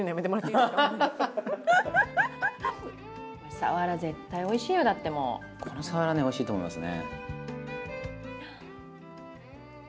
サワラ絶対おいしいよ、だってもこのサワラ、おいしいと思いますね。